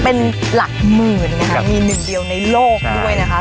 เป็นหลักหมื่นนะคะมีหนึ่งเดียวในโลกด้วยนะคะ